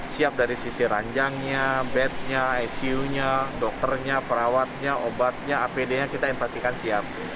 siap dari sisi ranjangnya bednya icu nya dokternya perawatnya obatnya apd nya kita invasikan siap